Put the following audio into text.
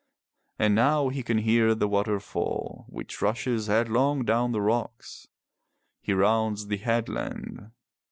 And now he can hear the water fall which rushes headlong down the rocks. He rounds the headland.